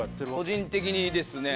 個人的にですね